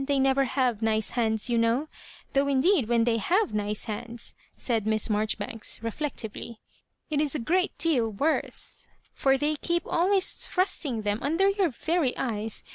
They never have nice hands, you know, — though indeed when they have nice hands,'* said M^ Marjoribanks, reflectively, "it is a great deal worse, for they keep always thrusting them under your very eyes.